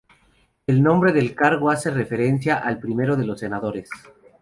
El nombre del cargo hace referencia al "Primero de los Senadores".